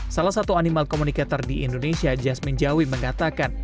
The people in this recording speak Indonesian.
salah satu animal communicator di indonesia jasmine jawi mengatakan